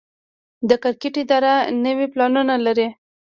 د کرکټ اداره نوي پلانونه لري.